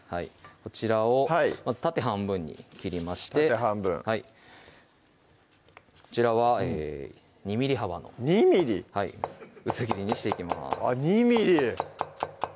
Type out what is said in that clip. こちらをまず縦半分に切りまして縦半分こちらは２ｍｍ幅の２ｍｍはい薄切りにしていきますあっ